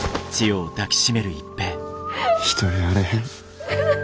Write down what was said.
一人やあれへん。